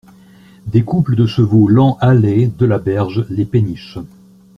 Des couples de chevaux lents halaient, de la berge, les péniches.